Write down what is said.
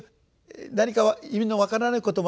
何か意味の分からないこともあるでしょう。